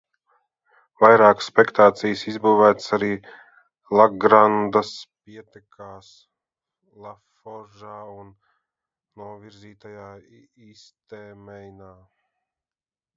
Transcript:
Vairākas spēkstacijas izbūvētas arī Lagrandas pietekās Laforžā un novirzītajā Īstmeinā.